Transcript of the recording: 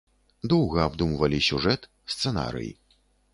Доўга абдумвалі сюжэт, сцэнарый.